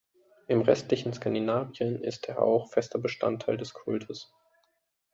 Im restlichen Skandinavien ist er auch fester Bestandteil des Kultes.